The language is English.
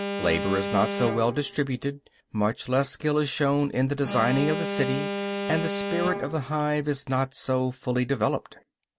Labor is not so well distributed; much less skill is shown in the designing of the city, and the spirit of the hive is not so fully developed.